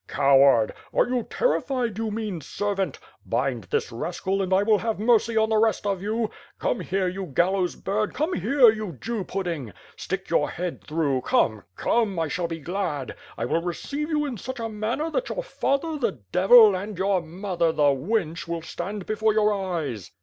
Coward! Are you terrified, you mean servant? Bind this rascal and I will have mercy on the rest of you. Come here, you gallows bird, come here, you Jew pudding. Stick your head through, come, come, I shall be glad. I will receive you in such a manner that youi father, the devil, and your mother, the wench, will stand be fore your eyes.'